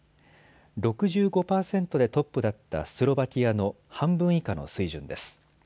６５％でトップだったスロバキアの半分以下の水準です。